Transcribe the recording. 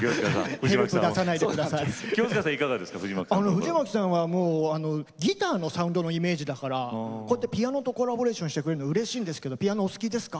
藤巻さんはギターのサウンドのイメージだからピアノとコラボレーションしてくれるのはうれしいんですけどピアノは好きですか？